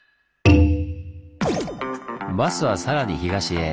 バスはさらに東へ。